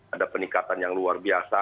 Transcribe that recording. ada peningkatan yang luar biasa